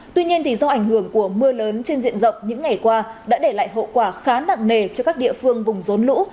tuy nhiên do ảnh hưởng của mưa lớn trên diện rộng những ngày qua đã để lại hậu quả khá nặng nề cho các địa phương vùng rốn lũ